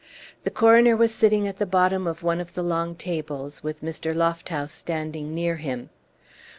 The coroner was sitting at the bottom of one of the long tables, with Mr. Lofthouse standing near him.